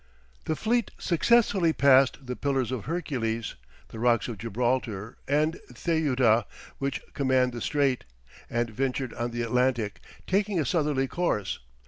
The fleet successfully passed the Pillars of Hercules, the rocks of Gibraltar and Ceuta which command the Strait, and ventured on the Atlantic, taking a southerly course.